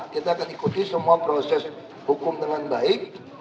kita akan ikuti semua proses hukum dengan baik